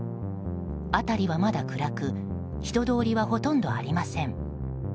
辺りはまだ暗く人通りはほとんどありません。